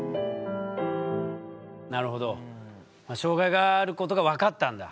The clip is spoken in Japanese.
なるほど障害があることが分かったんだ。